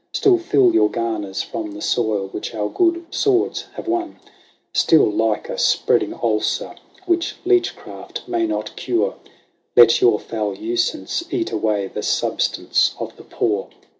Still fill your garners from the soil which our good swords have won. 164 LAYS OF ANCIENT ROME. Still, like a spreading ulcer, which leech craft may not cure. Let your foul usance eat away the substance of the poor.